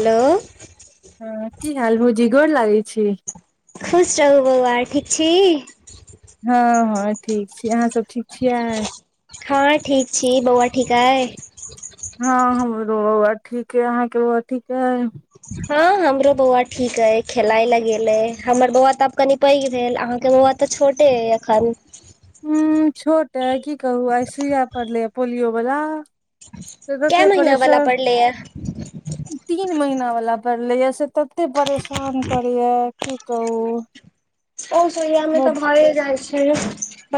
Hello ह की हाल भौजी गोर लागै छी खुश रहू बौआ ठीक छी हँ हँ ठीक छी अहाँ सब ठीक छियै [inaudible] हा ठीक छी बौआ ठिकअए हँ हमरो बौआ ठीक अय अहाँके बौआ ठीक अय हँ हमरो बौआ ठीक अय खेलाइ ले गेल अय हमर बौआ तऽ आब कनि पैघ भेल अहाँके बौआ तऽ छोटे अय अखन उअ छोट अय की कहू आइ सुूइया पड़ले या पोलियो वला तऽ कै ते महीना वाला परेशान पड़ले य [inaudible] तीन महीना वला पड़ले या से तते परेशान करे या की कहू [inaudible] ओ सुइया मे तऽ बड भये जइ छय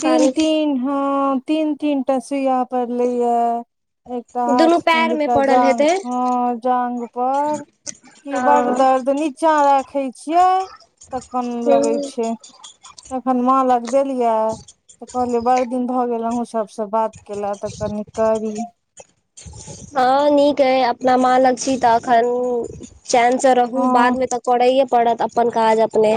तीन तीन हँ तीन तीन टा सुइया पड़लैय या एकटा दुनू हाथ मे पैर दूटा पड़ल जांघ हेतै हं जांघ पर कि बग हँ दर्द नीचा राखै छियै त कोनअ लगै हूँ, छै एखन मां लग देलिया तऽ कहलियै बड़ दिन भऽ गेल अहुँ सबसँ बात केला तऽ कनि करीयै हँ नीक अइ अपना माँ लग छी तऽ एखन चैन स रहु हँ बाद मे तऽ करैए पड़त अपन काज अपने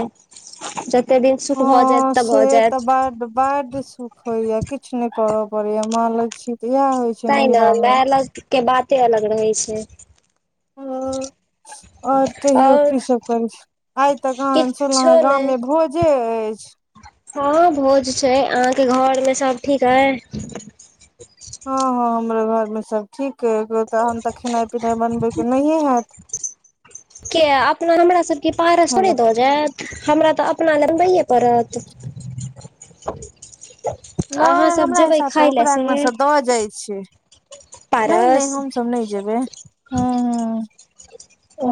एते दिन सुख भऽ जाएत हँ तऽ से भऽ तऽ जाएत बड बड सुख होइया किछ नै करय पड़ैया मां लग छी तऽ इहए होइ छै तैं ने नैहरा मे माय लग के बाते अलग रहै छय हँ आओर कहियो आओर कि सब करय छी आइ त कहाँदिन सुनलौं किछो हेँ नै गाम मे भोजे अछि हँ भोज छै अहाँके घरमे सब ठीक आय हँ हँ हमरो घरमे सब ठीक अय तहन तऽ खेनाइ पिनाइ बनबैके नहिए हैत किया अपना हमरा सबके पारस थोड़े हेलो दऽ जाएत हमरा तऽ अपना लए बनबैए पड़त नहि अहाँसब हमरा जेबै हिसाबसँ खाय लए ओकरा से अङ्गनासँ नै नै पारस हमसब नै जेबै हूँ हू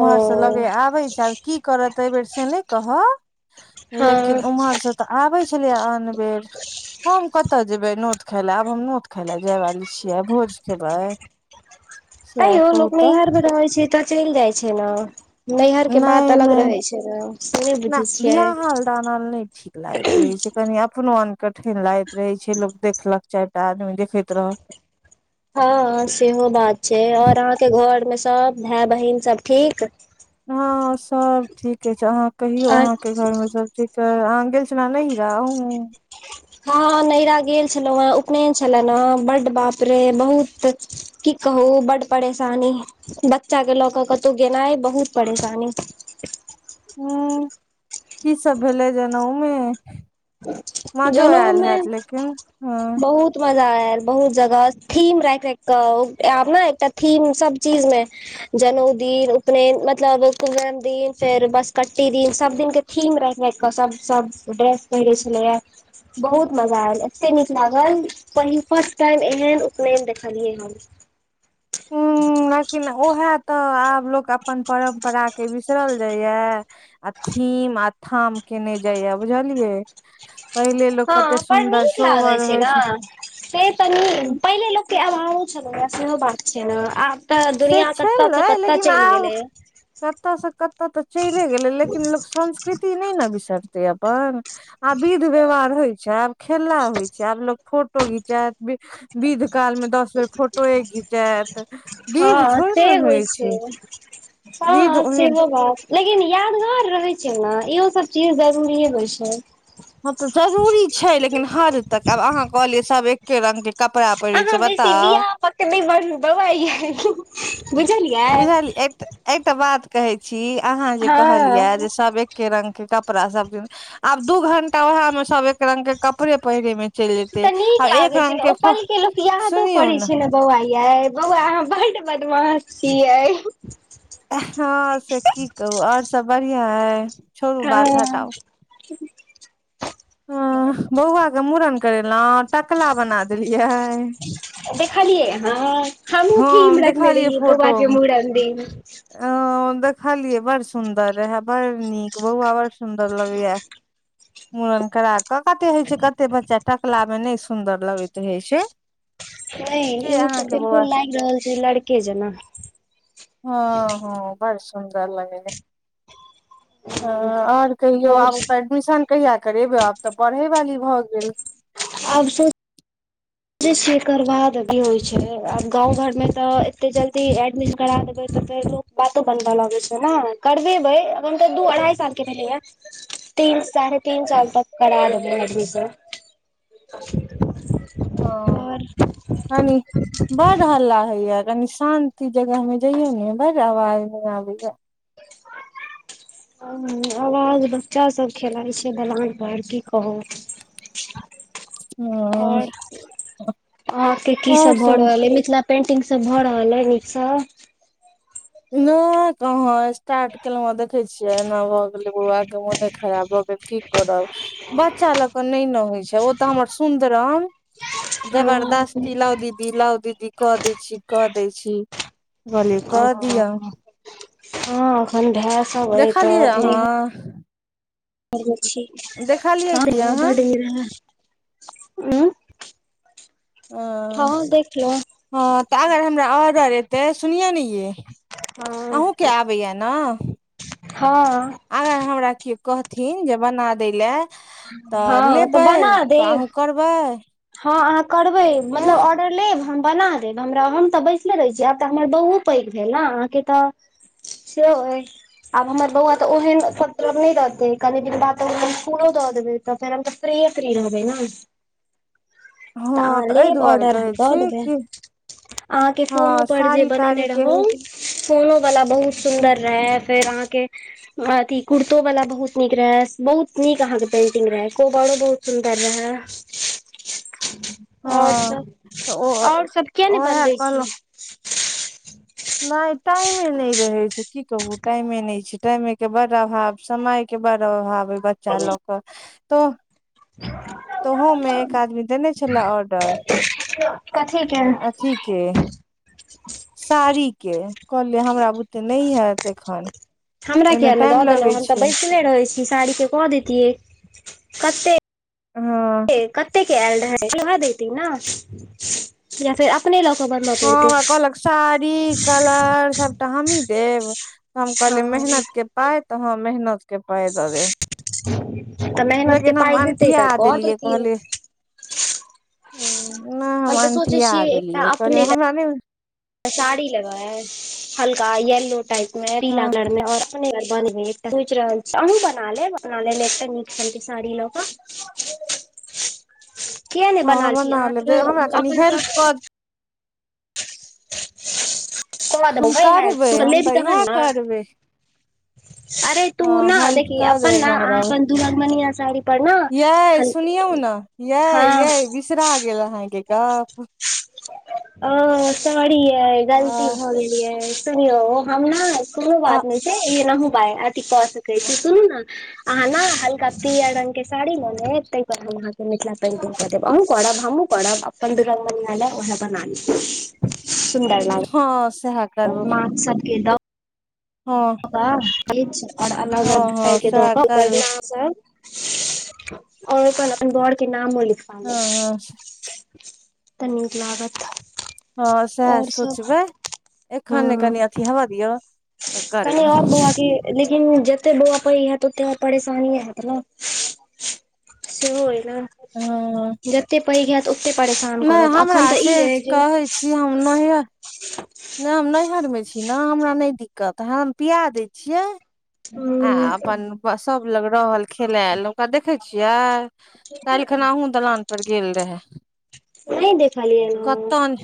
ओ लगै आबै छै आब की करत एहिबेर से नै कहब हँ लेकिन उम्हरसँ तऽ आबै छलया आन बेर हम कतऽ जेबै नोत खाय लए आब हम नोत खाय लए जाय वाली छियै भोज खेबै [inaudible] तैयो कहू लोक तऽ नइहर मे रहै छै तऽ चलि जाइ छै न नैहर के बात नहि अलग नहि रहै छै न से नै ने बुझै छियाय बियाह हाल दानल नहि ठीक लागैत रहै छै कनि अपनो अनकठैन लागैत रहै छै त लोग देखैत चाय टा आदमी देखैत रह हँ सेहो बात छै आओर अहाँके घर मे सब भए बहिन सब ठीक हँ सब ठीक अइछ अहाँ कहियौ अहाँ के घर मे सब ठीक अइ आहाँ गेल सुना नहीरा अहूँ हँ हँ नैहरा गेल छलौं हेँ उपनयन छलए न बड्ड बाप रे बहुत की कहु बड परेशानी बच्चाके लऽ कऽ कतहु गेनाइ बहुत परेशानी ऊँ की सब भेलै जनउमे माजो जनउ ऐल मे हैत लेकिन हँ। बहुत मजा ऐल बहुत जगह थीम राखि राखि कऽ आब ना एकटा थीम सब चीज मे जनउ दिन उपनयन मतलब कुमरम दिन फेर बसकट्टी दिन सब दिन के। थीम राखि राखि क सब सब ड्रेस पहिरै छलैया बहुत मजा ऐल एते नीक लागल। पहिल फर्स्ट टाइम एहन उपनयन देखलियै हम। हूँ लेकिन उएहे तऽ आब लोक अपन परम्परा के बिसरल जाईया। आ थीम आ थाम केने जाईया बुझलियै। पहिले लोक हँ कते बड़ सुन्दर नीक लागै सोबर रहइ ने छै से तऽ न पहिले लोक के अभावो छलैया सेहो बात छै न। तऽ से दुनिया कतऽ स कतऽ चलि गेलै। कतऽ स कतऽ तऽ चलि गेलै लेकिन लोक संस्कृति नै न बिसरतै अपन। आब विध व्यवहार होइ छै आब खेला होइ छै आब लोक। फोटो घिचेत विध काल मे दस बेर फोटोए घिचेत हँ ते होइ छै विध हँ ओहन सेहो बात लेकिन यादगार रहै छै न इहो सब चीज जरूरिये होइ छै हँ तऽ जरूरी छैय लेकिन हद तक आब अहाँ कहलियै सब एके रंग के कपड़ा पहिड़ै अहाँ छै बेसी बताउ [unintelligible] बुझलियै बुझल एक एकटा बात कहै छी अहाँ जे कहलिया हँ जे सभ ए के रंग के कपड़ा सब दिन आब दू घंटा वएह मे सब एक रंग के कपड़े पहिरै मे चलि जेते तऽ नीक आब एक लागै छै रंग ओ फ पल के लोक यादो करै छै ने बौआ यै बौआ अहाँ बड बदमास छियै आ हँ से की कहू आओर सब बढ़िआँ अइ छोड़ू बात हटाउ ह हं बौआ के मुड़न करेलौं टकला बना देलियै देखलियै आहां ह हमहूं ठीम हम रखने रहियै बौबा के मुड़न दिन अं हूं देखलियए बड़ सुंदर रहे बड़ नीक बौआ बड़ सुंदर लगैया मूड़न करा कऽ कते होइ छै कते बच्चा टकला मे नय सुन्दर लगैत रहै छै नय से ई तऽ अहाँके बौआ बिलकुल लागि रहल छै लड़के जेना हँ हँ बड़ सुन्दर लगैया ह आओर कहियौ और आब ओकर एडमिशन कहिया करेबै आब तऽ पढ़ैवाली भऽ गेल आब सो चै छियै करबा देबै होइ छै आब गाँव घर मे तऽ एते जल्दी एडमिशन करा देबै त फेर बातो बनबऽ लगै छै न करबेबै अखन तऽ दू अढ़ाई साल के भेलैया तीन साढ़े तीन साल तक करा लेबै हेतै त ह कानी बड हल्ला होेयऽ कनी शान्ति जगह मे जइयौ ने बड़ आवाज जेना अबैया ह आवाज बच्चा सब खेलाई छै दलान पर की कहू [inaudible] हँ आओर अहाँके की सब भऽ रहल अइ मिथिला पेंटिंग सब भऽ रहल अइ नीक सऽ नय कहाँ स्टार्ट केलौं हे देखै छियै एना भ गेलै बुआ के मोने खराब भए गेल कि करब बच्चा ल क नय न होइ छै ओ तऽ हमर सुन्दरम जबरदस्ती ओ लाउ दीदी लाउ दीदी क दै छी क दै छी कहलियई कर हँ अखन भेऽ सब अइ तऽ ह अबै छी देखलियै हां कि अहाँ बड मिलान ऊं अ हं देखलौ हँ तऽ अगर हमरा ऑर्डर एतै सुनियौ ने यै हँ अहूं के आबैया न हँ अगर हमरा केओ कहथिन जे बना दै लए तऽ हँ लेबै बना तऽ अहूँ देब करबै हँ अहाँ करबै आँय मतलब ऑर्डर लेब हम बना देब हमरा हम तऽ बैसले रहै छी आब तऽ हमर बहुत पैघ भेल ने अहाँकेँ तऽ [inaudible] सेहो अय आब हमर बौआ तऽ ओहेन उपद्रव नै रहते कनी दिन बाद तऽ ओकरा इसकुलो द देबे तऽ फेर हम तऽ फ्री फ्री रहबै न तऽ हँ अहाँ एहि लेब दुआरे ऑर्डर कहै दऽ छी देबै कि अहाँकेँ हँ फोनो पर जे साड़ी ताड़ी बनेने के रहौ फोनो वला बहुत सुन्दर रहै फेर अहाँकेँ अथी कुर्तो वाला बहुत नीक रहे बहुत नीक अहाँ केँ पेंटिंग रहे कोबरो बहुत सुन्दर रहै [unintelligible] और हँ सब तऽ ओ और सब किया नै उएह बनबै छी नै टाइमे नै रहे छै की कहू टाइमे नै छै टाइमे केँ बड अभाव समय केँ बड़ अभाव ओइ बच्चा लऽ कऽ तो [unintelligible] तोहो में एक आदमी देने छले ऑर्डर कथी के [inaudible] अथी केँ साड़ीकेँ कहलियै हमरा बुते नै हैत एखन हमरा ओहिमे किया नै दऽ टाइम देलों लगे हम तऽ छै बैसले रहै छी साड़ी कऽ [inaudible] देतियै कते हँ कते केँ आयल रहै उहै देती न [inaudible] हँ हमरा कहलक साड़ी कलर सभटा हमहीँ देब हम कहलियै मेहनत हँ केँ पाय तऽ हँ मेहनत कऽ पाय दऽ देब तऽ मेहनत कऽ लेकिन हम पाइ देतै अनठिया तऽ कऽ देलियै देतियै कहलियै [unintelligible] पर जे सोच छी एकटा कहलिये अपने लए हमरा नै साड़ी लेबा है हल्का येल्लो टाइप में पीला हँ कलर में और [unintelligible] सोच रहल छी अहुॅं बना लेब अपना लै नीक साड़ी लऽ कऽ किया नहि [inaudible] हँ छी बना अहाँ लेबै तऽ हमरा कनि हेल्प कर [unintelligible] क देबौ हम गै हेल्प करबै तु हम लेबहि तऽ इएह तहन न करबै अरे [unintelligible] तू हँ हेल्प देखी कऽ अपन देब न हमरा अहाँ ओ अपन दुल्हन बनिया साड़ी पर न [inaudible] यै हल सुनियौ न यै हँ यै बिसरा गेल अहाँकेँ गप ओ सरी यै गलती आ हो गेल यै सुनौ हम कोनो आ बात नै छै ई अहुँ बा अथी कऽ सकै छी सुनू न अहाँ न हल्का पीयर रंग कऽ साड़ी ल लेब तैय पर हम अहाँकेँ मिथिला पेंटिंग कऽ देब अहुँ करब हमूँ करब अपन दुरगमनीयां ओहै बाना लेब सुन्दर हँ सएह लागत [inaudible] माछ सब केँ द हऽ [unintelligible] और अलग अलग हँ [unintelligible] सएह और करबै ओ अपन बर केँ नामो लिखवा लेब हँ हँ [inaudible] तऽ नीक लागत [unintelligible] हँ से है और सब सोचबै एखन नै कनी अथी हैव दियौ तऽ [unintelligible] कनी करबै और बौआ लेकिन जते बौआ पैघ हैत ओते और परेशानीये हैत न से हो अइ न हँ [inaudible] जते पैघ हैत ओते परेशान नहि करत एखन हमरा तऽ से ई अ जे कहै [unintelligible] नै हम नैहर में छी ना हमरा नै दिक्कत हम पीआ दै छियै [inaudible] आ उम्म अपन सब लग रहल खेलायल ओकरा देखे छियै काल्ह खेना अहुँ दलान पर गेल रहे नहि देखलियैन हम कतन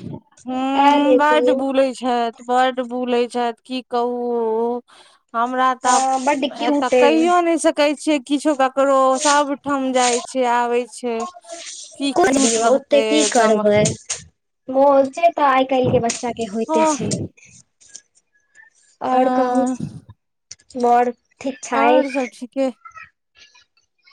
हुँ आयल बै हेथिन बुलै छैथ बड बुलै छैथ की कहू हमरा तऽ आब हँ बड्ड एतऽ क्यूट अइ कहियो नय सकै छीयै किछो ककरो सब ठाम जाइ छै आबै छै कि कुछ क्यूट दियौ ओते रहतै की एकरा मे [inaudible] से तऽ आइ काल्हके बच्चा के होइते हँ छै [inaudible] अ ओर कहू बर ओर सभ ठीके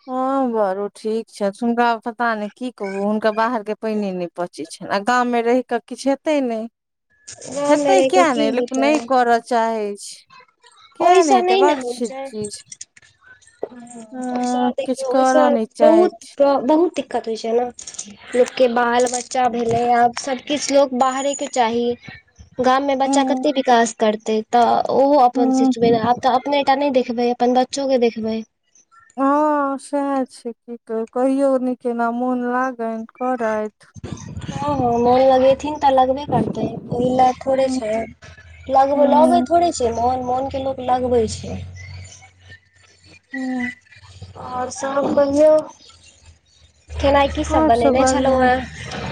हँ बौआरौ ठीक छौ हुनका पता ने की कहबू हुनका बाहर के पाने ने पचेछेन आ गाम मे रहि कऽ किछु हेतै नय गाम मे हेतै रहि कऽ किए की नय लेकिन हेतै नय करय चाहै छै किया नय ओहिसँ हेते बर छै चीज [inaudible] ओय से ह किछु देखियौ ओहिसँ करऽ नहि चाहै बहुत छै क बहुत दिक्कत होइ छै न लोकके बाल बच्चा भेलै आब सभ किछ लोक बाहरे के चाही गाम मे बच्चा कते ह विकास करतै तऽ ओहो अपन सोचबे आब तऽ अपनेटा नय देखबै अपन बच्चोके देखबै हँ सएह छै की कह कहियो नइ केना मोन लागेन करेथ [inaudible] हँ हँ मोन लगेथिन त लगबे करते ओहि ले थोड़े ह छै ल लगे ह थोड़े छै मन मोन के लो लगबै छै [unintelligible] आओर सभ कहियो खेनाइ की सभ आओर सब बनेने छलु बढ़िया हँ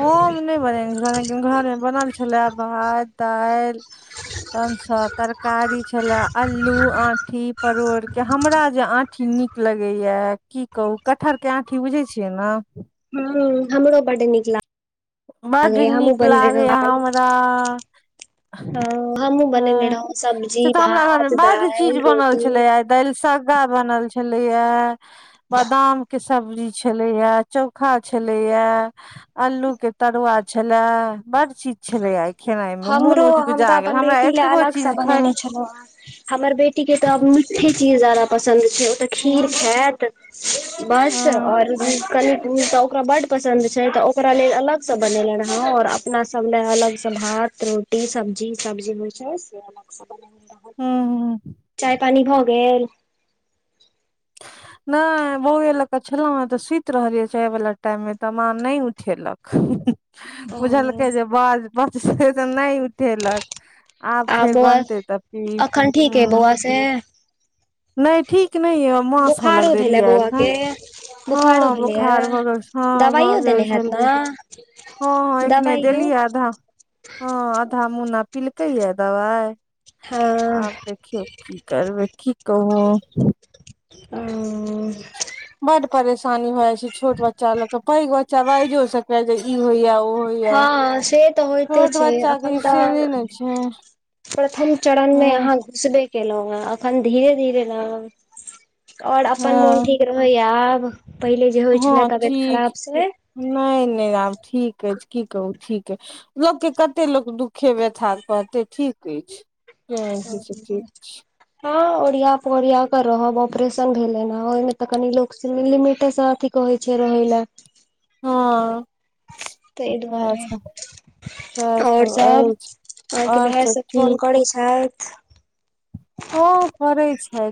हम नय बनेने छलु लेकिन घरमे बनल छलै भात दाइल तहन स तरकारी छले अलू आठी परोड़ के हमरा जे आठी नीक लगैया की कहू कटहर के आँठी बुझै छियै ने ह हमरो बड निक ला बड नीक लागैया हमरा [inaudible] हमहुँ ह बनेने रहौं से सब्जी तऽ हमरा घरमे भात बड चीज दालि बनल रोटी छलै आय दाइलसग्गा बनल छलैया बादाम के सब्जी छले या चोखा छले या अलू के तरुआ छलेए बड़ चीज छलै आय खेनाइ मे मोन हमरो हम उजगुजा तऽ गेल अपन हमरा बेटी लए एतबो अलगसँ चीज बनेने खायमे छलहुँ हेँ हमर बेटी के त आब [unintelligible] चीज जादा पसन्द छै तऽ खीर खायत बस हँ और कनि तऽ ओकरा बड पसन्द छै तऽ ओकरा लेल अलग से बनेले रहो और अपना स सब ल अलग से भात रोटी सब्जी सबजे होइ छै हूं [inaudible] चाय पानी भऽ गेल [inaudible] नय बौए लऽ क छलहु हेँ तऽ सुइत रहलिय चाय वाला टाइम मे तऽ माँ नय उठेलक ओ बुझलकै जे बड [unintelligible] नय उठेलक आब आ फेर बनते तब पिब हूँ तैं नय ठीक नय मास बोखारो सबलग भेलै देलियै बौआ ऐख के बोखारो हँ भेलैए बोखार भऽ गेल छै भऽ दबाइयो देने गेल हैत छल ने हँ हँ एखने दबाइयो देलीया आधा हँ आधा मुन्ना पिलकैया दबाइ हँ आब देखियौ की करबै की कहू हँ बड परेशानी भऽ जाइ छै छोट बच्चा ल के पैघ बच्चा बाजि सकैया जे ई होइया ओ होइया हँ से तऽ होइते छोट छै बच्चा के एखन से तऽ नहि ने छै प्रथम चरण मे हँ अहाँ घुसबे केलहुँ हे अखन धीरे धीरे ल आओर अपन मोन हँ ठीक रहैया आब पहिले जे होइ छले तबियत खराब से नय नय आब ठीक अछि की कहू ठीक अय लोक के कते लोक दुःखे व्यथा कहतै ठीक अछि ह हँ ओरिया पोरिया के रहब ऑपरेशन भेल अइ न ओहि मे तऽ कनी लोग लिमिट से अथ कहै छै रहै लेऽ हँ तइ सएह दुआरे सब सएह आओर सब सभ अछि अहाँके आओर भेऽ सब ठीक फोन करै छथि हँ करै छथि